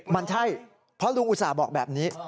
มันใช่เพราะลุงอุตส่าห์บอกแบบนี้